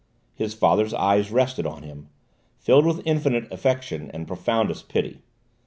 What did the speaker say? His father's eyes rested on him, filled with infinite affection and profoundest pity.